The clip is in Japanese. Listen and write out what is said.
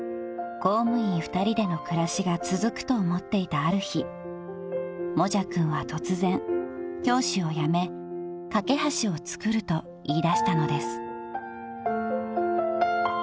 公務員２人での暮らしが続くと思っていたある日もじゃくんは突然教師を辞めかけはしをつくると言いだしたのです］